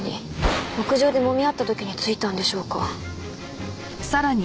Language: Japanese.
屋上でもみ合った時に付いたんでしょうか。